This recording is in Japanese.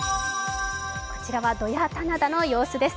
こちらは土谷棚田の様子です。